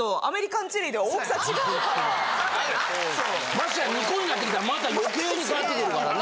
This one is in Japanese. ましてや２個になってきたらまた余計に変わってくるからね。